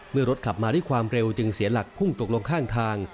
เมื่อรถขับมาด้วยความเร็วจึงเสียหลักพุ่งตกลงข้างทาง